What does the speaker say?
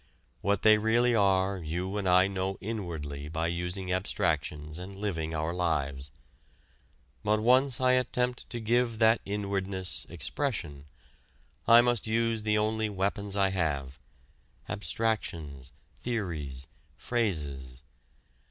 What they really are you and I know inwardly by using abstractions and living our lives. But once I attempt to give that inwardness expression, I must use the only weapons I have abstractions, theories, phrases.